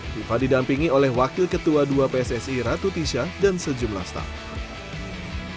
fifa didampingi oleh wakil ketua dua pssi ratu tisha dan sejumlah staff